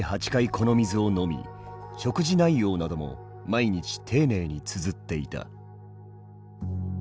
この水を飲み食事内容なども毎日丁寧につづっていた。